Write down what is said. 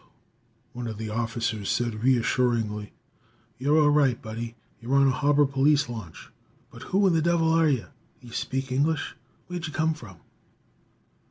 One of the officers said reassuringly: "You're all right, buddy: you're on a harbor police launch. But who in the devil are you? D'you speak English? Where'd you come from?"